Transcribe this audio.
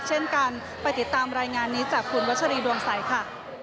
เช่นกันไปติดตามรายงานนี้จากคุณวัชรีดวงใสค่ะ